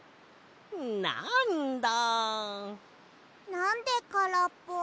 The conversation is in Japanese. なんでからっぽ？